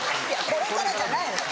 これからじゃない。